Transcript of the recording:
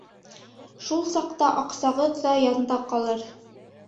Шул саҡта аҡсағыҙ ҙа янда ҡалыр.